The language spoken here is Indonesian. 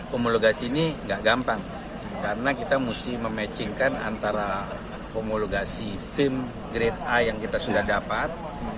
homologasi ini nggak gampang karena kita mesti mematchingkan antara homologasi fim grade a yang kita sudah dapat